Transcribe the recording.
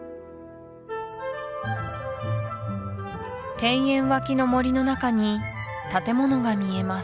庭園わきの森の中に建物が見えます